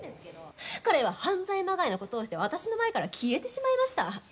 彼は犯罪まがいのことをして私の前から消えてしまいました。